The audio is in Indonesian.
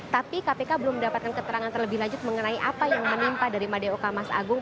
tapi kpk belum mendapatkan keterangan terlebih lanjut mengenai apa yang menimpa dari madeoka mas agung